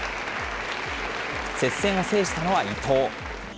接戦を制したのは伊藤。